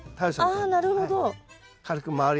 ああなるほど。